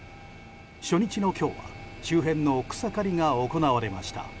初日の今日は周辺の草刈りが行われました。